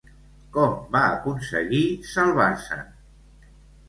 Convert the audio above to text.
Com va aconseguir salvar-se'n?